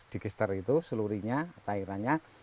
digester itu seluruhnya cairannya